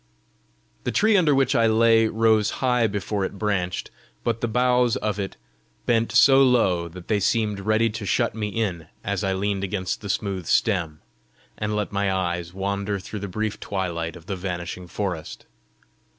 The tree under which I lay rose high before it branched, but the boughs of it bent so low that they seemed ready to shut me in as I leaned against the smooth stem, and let my eyes wander through the brief twilight of the vanishing forest.